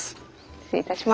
失礼いたします。